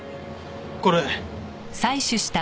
これ。